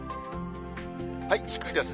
低いですね。